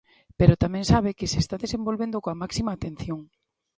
Pero tamén sabe que se está desenvolvendo coa máxima atención.